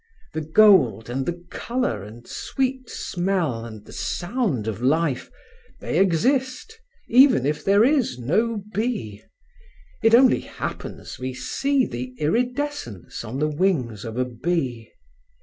The gold and the colour and sweet smell and the sound of life, they exist, even if there is no bee; it only happens we see the iridescence on the wings of a bee.